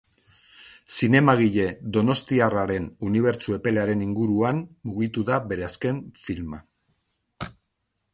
Zinemagile donostiarraren unibertso epelaren inguruan mugitu da bere azken filma.